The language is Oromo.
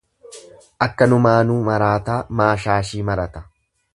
Akkanumaanuu maraataa maa shaashii marata.